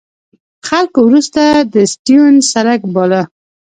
خلکو وروسته د سټیونز سړک باله.